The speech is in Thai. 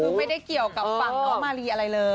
คือไม่ได้เกี่ยวกับฝั่งน้องมารีอะไรเลย